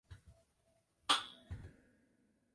索尔福德百户区包含了几个教区和镇区。